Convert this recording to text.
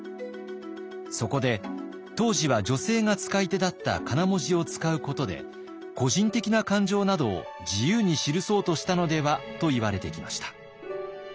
そこで当時は女性が使い手だったかな文字を使うことで個人的な感情などを自由に記そうとしたのではといわれてきました。